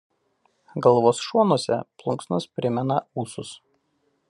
Galvos šonuose plunksnos primena ūsus.